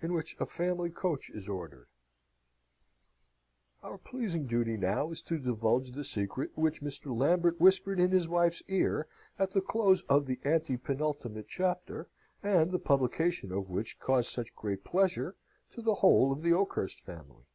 In which a Family Coach is ordered Our pleasing duty now is to divulge the secret which Mr. Lambert whispered in his wife's ear at the close of the antepenultimate chapter, and the publication of which caused such great pleasure to the whole of the Oakhurst family.